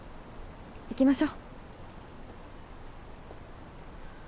行きましょ。